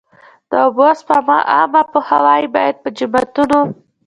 د اوبو سپما عامه پوهاوی باید په جوماتونو.